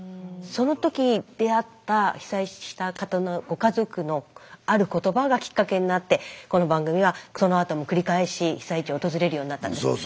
その時出会った被災した方のご家族のある言葉がきっかけになってこの番組はそのあとも繰り返し被災地を訪れるようになったんです。